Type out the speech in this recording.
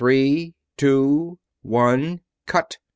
Three! Two! One! CUT!"